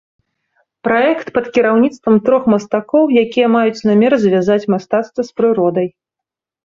Праект пад кіраўніцтвам трох мастакоў, якія маюць намер звязаць мастацтва з прыродай.